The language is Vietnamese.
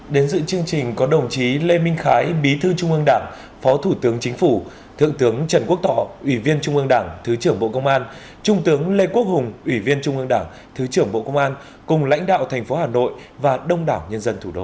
đến dự chương trình có đồng chí lê minh khái bí thư trung ương đảng phó thủ tướng chính phủ thượng tướng trần quốc tỏ ủy viên trung ương đảng thứ trưởng bộ công an trung tướng lê quốc hùng ủy viên trung ương đảng thứ trưởng bộ công an cùng lãnh đạo thành phố hà nội và đông đảo nhân dân thủ đô